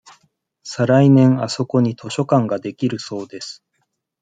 さ来年あそこに図書館ができるそうです。